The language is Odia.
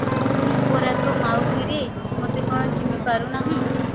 ମୁଁ ପରା ତୋ ମାଉସୀରେ- ମୋତେ କଣ ଚିହ୍ନି ପାରୁନାହୁଁ?